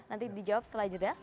nanti dijawab setelah jeda